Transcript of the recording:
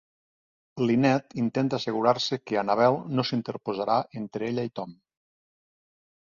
Lynette intenta assegurar-se que Annabel no s'interposarà entre ella i Tom.